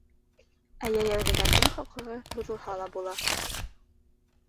Ә йәйәүлеләрҙең хоҡуғы боҙолһа ла була...